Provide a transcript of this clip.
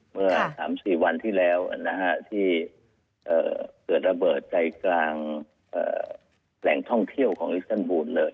เมื่อ๓๔วันที่แล้วที่เกิดระเบิดใจกลางแหล่งท่องเที่ยวของอิสเตอร์บูลเลย